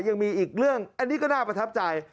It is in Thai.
ยังมีอีกเรื่องอันนี้ก็น่าประทับใจ